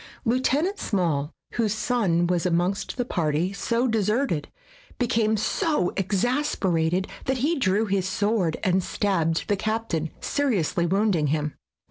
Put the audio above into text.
Lieuten ant Small, whose son was amongst the party so deserted, became so exasperated that he SKETCHES OF TRAVEL drew his sword and stabbed the captain, seriously wounding him.